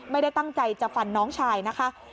ไม่ได้ตั้งใจจะฟันน้องชายนะคะ